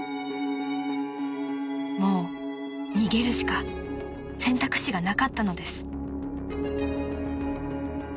［もう逃げるしか選択肢がなかったのです］